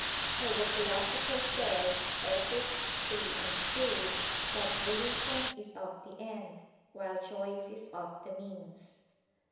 For the Philosopher says (Ethic. iii, 2) that "volition is of the end, while choice is of the means."